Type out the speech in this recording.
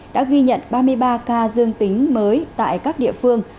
đã ghi nhận ba mươi ba ca dương tính mới tại các địa phương